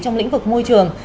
trong lĩnh vực môi trường